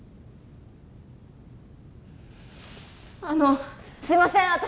あのすいません